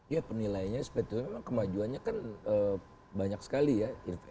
ya penilainya sebetulnya memang kemajuannya kan banyak sekali ya